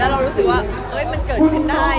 เรารู้สึกว่ามันเกิดขึ้นได้